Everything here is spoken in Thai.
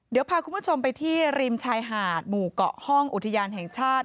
เดี๋ยวพาคุณผู้ชมไปที่ริมชายหาดหมู่เกาะห้องอุทยานแห่งชาติ